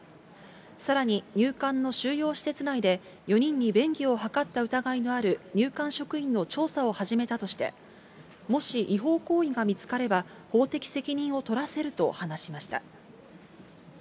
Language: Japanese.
さらに入管の収容施設内で、４人に便宜を図った疑いのある入管職員の調査を始めたとして、もし違法行為が見つかれば、法的責任を取らせると話しました。